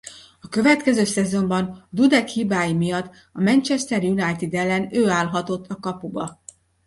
A következő szezonban Dudek hibái miatt a Manchester United ellen ő állhatott a kapuba.